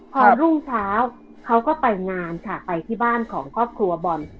พอรุ่งเช้าเขาก็ไปงานค่ะไปที่บ้านของครอบครัวบอล